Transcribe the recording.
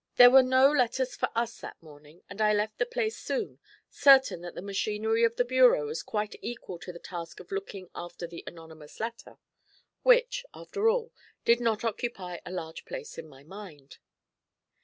There were no letters for us that morning, and I left the place soon, certain that the machinery of the bureau was quite equal to the task of looking after the anonymous letter, which, after all, did not occupy a large place in my mind.